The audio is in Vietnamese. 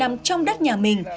nằm trong đất nhà mình